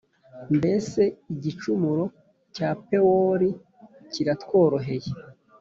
Mbese igicumuro cya Pewori kiratworoheye